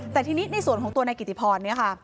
แต่ที่นี้ในสวนของตัวนายกิตติพร